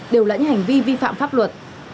đều là những hành vi vi phạm pháp luật